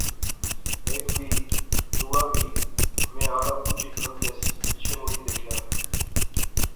ہیک وی، دوہا وی، میں آلا بجی کھلتیس، مڑی پیچھے دیکھیا